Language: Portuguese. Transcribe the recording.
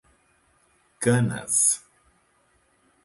Canas